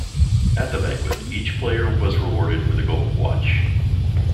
At the banquet, each player was rewarded with a gold watch.